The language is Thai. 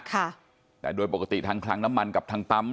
ค่ะแต่โดยปกติทางคลังน้ำมันกับทางปั๊ม